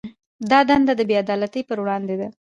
دا دنده د بې عدالتۍ پر وړاندې ده.